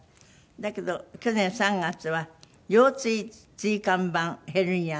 だけど去年３月は腰椎椎間板ヘルニアの急性麻痺。